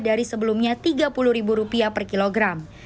dari sebelumnya tiga puluh rupiah per kilogram